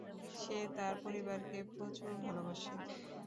সে তার পরিবারকে প্রচুর ভালোবাসে।